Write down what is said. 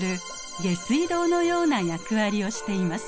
下水道のような役割をしています。